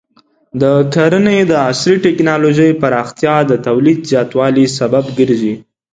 د کرنې د عصري ټکنالوژۍ پراختیا د تولید زیاتوالي سبب ګرځي.